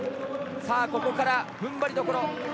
さあ、ここからふんばりどころ。